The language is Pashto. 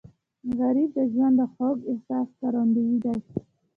غریب د ژوند د خوږ احساس ښکارندوی دی